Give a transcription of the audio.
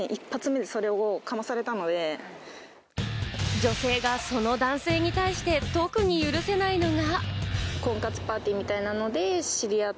女性がその男性に対して特に許せないのが。